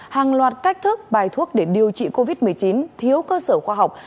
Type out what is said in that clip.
hàng loạt cách thức bài thuốc để điều trị covid một mươi chín thiếu cơ sở khoa học